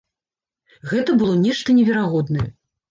Гэта было нешта неверагоднае.